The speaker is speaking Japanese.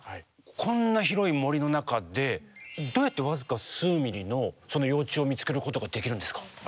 こんな広い森の中でどうやって僅か数ミリのその幼虫を見つけることができるんですか？